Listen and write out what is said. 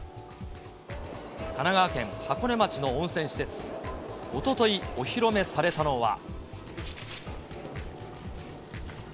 神奈川県箱根町の温泉施設、おととい、お披露目されたのは。